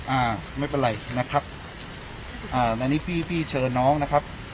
อ่าไม่เป็นไรนะครับอ่าในนี้พี่พี่เชิญน้องนะครับ